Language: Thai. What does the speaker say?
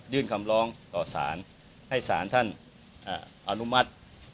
คำร้องต่อสารให้ศาลท่านอนุมัติ